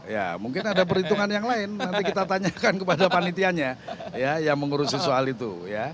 ya mungkin ada perhitungan yang lain nanti kita tanyakan kepada panitianya yang mengurusi soal itu